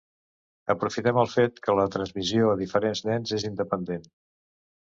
Aprofitem el fet que la transmissió a diferents nens és independent.